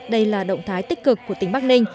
đây là động thái tích cực của tỉnh bắc ninh